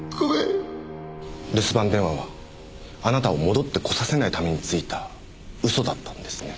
留守番電話はあなたを戻ってこさせないためについた嘘だったんですね。